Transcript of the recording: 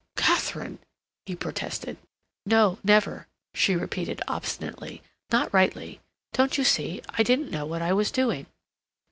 "Katharine!" he protested. "No, never," she repeated obstinately. "Not rightly. Don't you see, I didn't know what I was doing?"